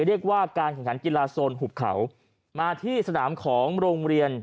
เรียกว่าการแข่งขันกีฬาโซนหุบเขามาที่สนามของโรงเรียน